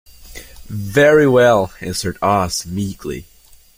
"Very well," answered Oz, meekly.